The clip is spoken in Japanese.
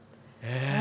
ええ！